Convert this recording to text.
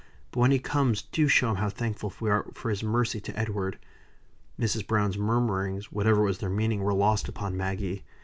But when he comes, do show him how thankful we are for his mercy to Edward." Mrs. Browne's murmurings, whatever was their meaning, were lost upon Maggie.